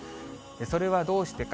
それはどうしてか。